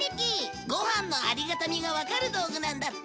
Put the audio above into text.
ご飯のありがたみがわかる道具なんだって